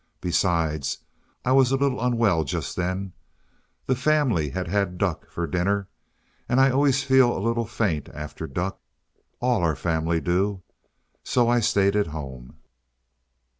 Besides, I was a little unwell just then; the family had had duck for dinner, and I always feel a little faint after duck. All our family do. So I stayed at home.